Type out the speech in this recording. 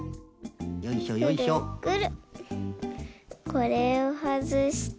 これをはずして。